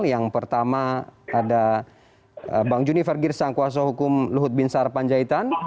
yang pertama ada bang junifer girsang kuasa hukum luhut binsar panjaitan